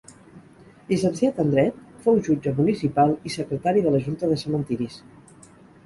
Llicenciat en dret, fou jutge municipal i secretari de la Junta de Cementiris.